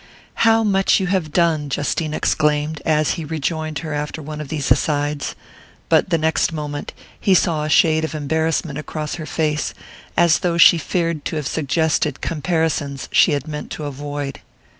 "How much you have done!" Justine exclaimed, as he rejoined her after one of these asides; but the next moment he saw a shade of embarrassment cross her face, as though she feared to have suggested comparisons she had meant to avoid.